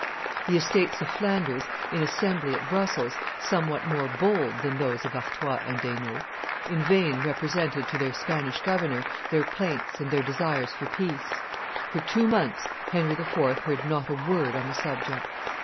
The estates of Flanders, in assembly at Brussels, somewhat more bold than those of Artois and Hainault, in vain represented to their Spanish governor their plaints and their desires for peace; for two months Henry IV. heard not a word on the subject.